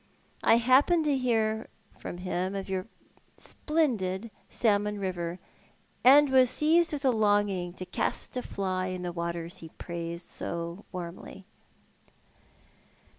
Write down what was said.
I happened to hear from liim of your splendid salmon river, and was seized with a longing to cast a fly in the waters he praised so warmly."